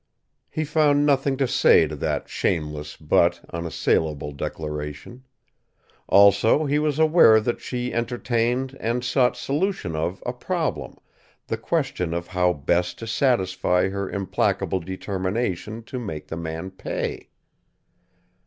He found nothing to say to that shameless but unassailable declaration. Also, he was aware that she entertained, and sought solution of, a problem, the question of how best to satisfy her implacable determination to make the man pay.